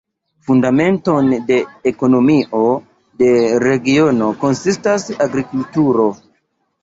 Fundamenton de ekonomio de regiono konsistas agrikulturo.